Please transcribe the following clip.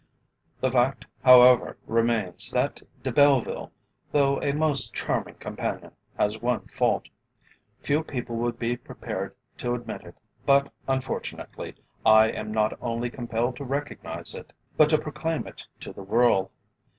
The fact, however, remains, that De Belleville, though a most charming companion, has one fault. Few people would be prepared to admit it, but unfortunately, I am not only compelled to recognise it, but to proclaim it to the world.